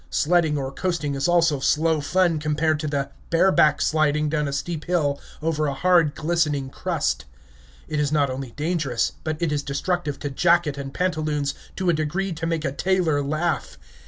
Sledding or coasting is also slow fun compared to the "bareback" sliding down a steep hill over a hard, glistening crust. It is not only dangerous, but it is destructive to jacket and pantaloons to a degree to make a tailor laugh.